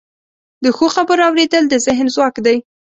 د ښو خبرو اوریدل د ذهن ځواک دی.